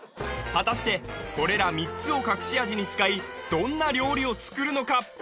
果たしてこれら３つを隠し味に使いどんな料理を作るのか？